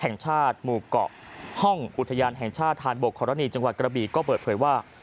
แห่งชาติหมู่เกาะห้องอุทยานแห่งชาติธานบกครณีจังหวัดกระบีก็เปิดเผยว่า